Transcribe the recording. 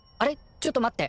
ちょっと待って。